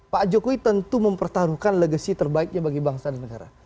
pak jokowi tentu mempertaruhkan legasi terbaiknya bagi bangsa dan negara